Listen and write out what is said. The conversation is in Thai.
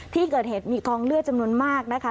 ที่เกิดเหตุมีกองเลือดจำนวนมากนะคะ